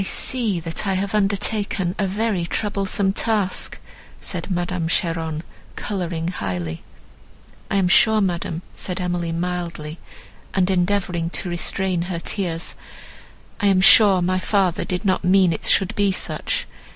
"I see that I have undertaken a very troublesome task," said Madame Cheron, colouring highly. "I am sure, madam," said Emily mildly, and endeavouring to restrain her tears, "I am sure my father did not mean it should be such.